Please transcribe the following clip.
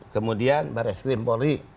kemudian barai skrim polri